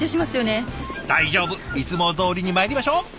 大丈夫。いつもどおりにまいりましょう。